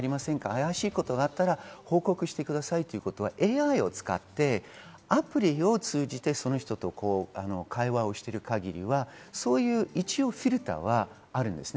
怪しいことがあったら報告してくださいということはＡＩを通じてアプリを通じて、その人と会話をしている限りはそういうフィルターはあるんです。